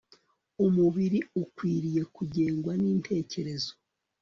umubiri ukwiriye kugengwa n'intekerezo